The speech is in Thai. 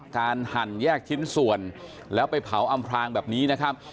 หั่นแยกชิ้นส่วนแล้วไปเผาอำพลางแบบนี้นะครับ